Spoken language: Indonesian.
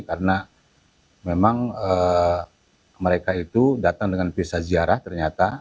karena memang mereka itu datang dengan visa ziarah ternyata